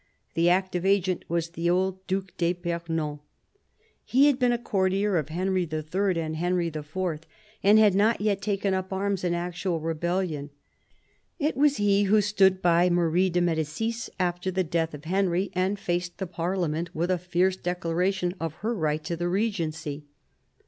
The active agent was the old Due d'fipernon. He had been a courtier of Henry HI. and Henry IV., and had not yet taken up arms in actual rebelUon. It was he who stood by Marie de Medicis after the death of Henry, and faced the Parliament with a fierce declara tion of her right to the Regency.